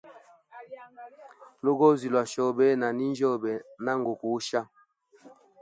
Lugozi lwa chobe na ninjyobe, nangu kusha.